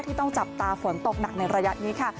ต้องจับตาฝนตกหนักในระยะนี้ค่ะ